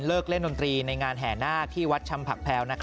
เล่นดนตรีในงานแห่นาคที่วัดชำผักแพลว